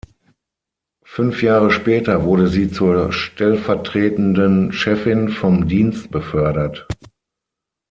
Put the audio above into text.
Fünf Jahre später wurde sie zur stellvertretenden Chefin vom Dienst befördert.